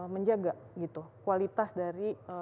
menjaga kualitas dari